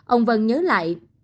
ông vân nhớ lại